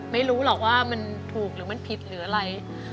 ไม่รู้หรอกว่ามันถูกหรือมันผิดหรืออะไร